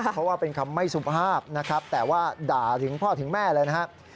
เพราะว่าเป็นคำไม่สุภาพนะครับแต่ว่าด่าถึงพ่อถึงแม่เลยนะครับ